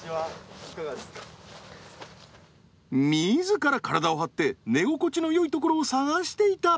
自ら体を張って寝心地のよいところを探していた。